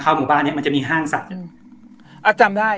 ข้าวหมู่บ้านเนี้ยมันจะมีห้างสัตว์อย่างแบบนะอะจำได้